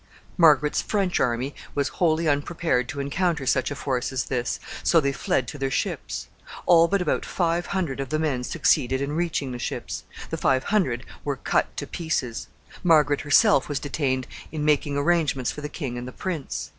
Margaret's French army was wholly unprepared to encounter such a force as this, so they fled to their ships. All but about five hundred of the men succeeded in reaching the ships. The five hundred were cut to pieces. Margaret herself was detained in making arrangements for the king and the prince.